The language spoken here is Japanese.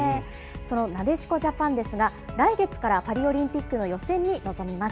そのなでしこジャパンですが、来月からパリオリンピックの予選に臨みます。